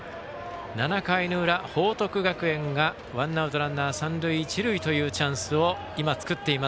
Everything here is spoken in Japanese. ７回の裏、報徳学園がワンアウト、ランナー三塁一塁というチャンスを今、作っています。